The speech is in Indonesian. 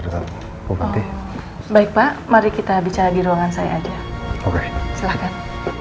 dekat bukti baik pak mari kita bicara di ruangan saya aja oke silakan